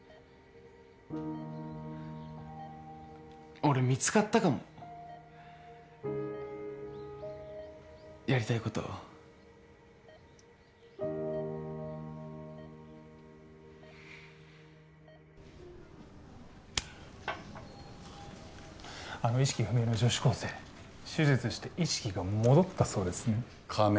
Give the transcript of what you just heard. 俺見つかったかもやりたいことあの意識不明の女子高生手術して意識が戻ったそうですね仮面